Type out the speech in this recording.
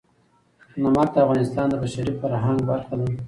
نمک د افغانستان د بشري فرهنګ برخه ده.